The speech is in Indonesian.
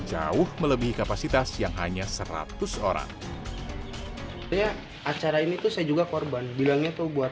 jauh melebihi kapasitas yang hanya seratus orang ya acara ini tuh saya juga korban bilangnya tuh buat